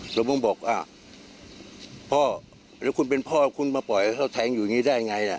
ผมก็บอกว่าพ่อแล้วคุณเป็นพ่อคุณมาปล่อยเขาแทงอยู่อย่างนี้ได้ไงล่ะ